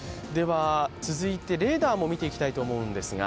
続いてレーダーも見ていきたいと思います。